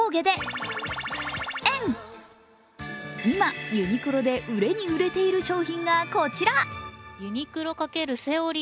今、ユニクロで売れに売れている商品がこちら。